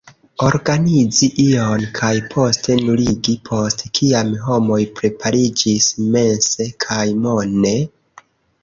Organizi ion, kaj poste nuligi, post kiam homoj prepariĝis mense kaj mone?